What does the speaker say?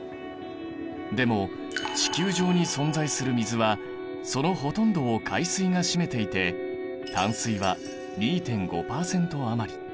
でも地球上に存在する水はそのほとんどを海水が占めていて淡水は２．５％余り。